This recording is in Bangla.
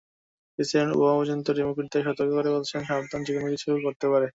প্রেসিডেন্ট ওবামা পর্যন্ত ডেমোক্র্যাটদের সতর্ক করে বলেছেন, সাবধান, যেকোনো কিছু ঘটতে পারে।